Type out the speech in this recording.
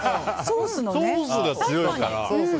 ソースが強いから。